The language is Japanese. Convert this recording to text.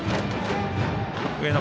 上野